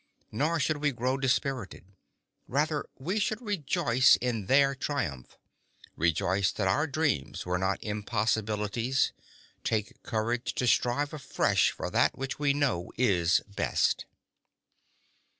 Nor should we grow dispirited. Rather should we rejoice in their triumph, rejoice that our dreams were not impossibilities, take courage to strive afresh for that which we know is best.